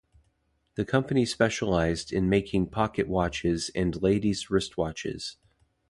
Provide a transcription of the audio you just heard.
The company specialised in making pocket watches and ladies' wristwatches.